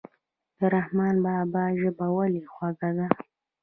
د رحمان بابا ژبه ولې خوږه ده.